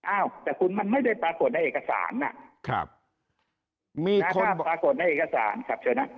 อ้าวแต่คุณมันไม่ได้ปรากฏในเอกสารมีคนปรากฏในเอกสารครับเชิญนะ